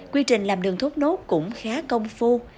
quy trình làm đường thốt nốt cũng khá công phu